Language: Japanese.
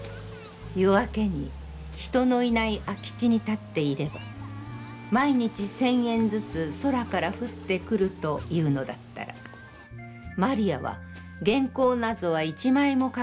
夜明けに人の居ない空地に立っていれば、毎日千円ずつ空から降って来ると、いうのだったら、魔利は原稿なぞは一枚も書かないかも知れない。